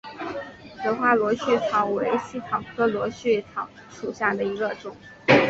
紫花螺序草为茜草科螺序草属下的一个种。